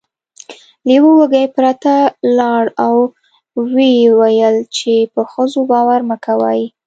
لیوه وږی بیرته لاړ او و یې ویل چې په ښځو باور مه کوئ.